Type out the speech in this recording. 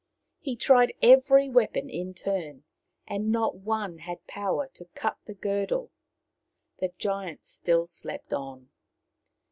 He tried every weapon in turn, but not one had power to cut the girdle. The giant still slept on.